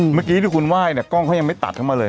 เมื่อกี้ที่คุณไหว้เนี่ยกล้องเขายังไม่ตัดเข้ามาเลย